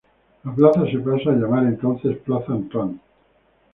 La plaza se pasa a llamar entonces plaza Antoine.